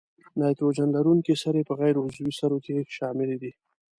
نایتروجن لرونکي سرې په غیر عضوي سرو کې شامل دي.